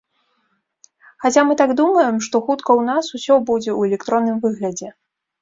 Хаця мы так думаем, што хутка ў нас усё будзе ў электронным выглядзе.